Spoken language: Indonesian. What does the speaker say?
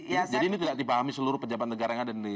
jadi ini tidak dipahami seluruh pejabat negara yang ada di publik ini